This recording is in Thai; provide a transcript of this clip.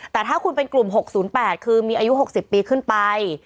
แต่ถ้าคุณเป็นกลุ่ม๖๐๘คือมีอายุ๖๐ปีขึ้นไป